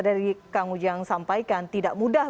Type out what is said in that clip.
dari kang ujang sampaikan tidak mudah